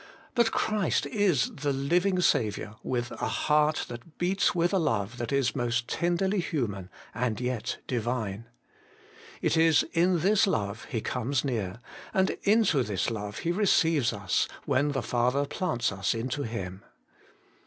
But Christ is the Living Saviour, with a heart that beats with a love that is most tenderly human, and yet Divine. It is in this love He comes near, and into this love He receives us, when the Father plants us into Him.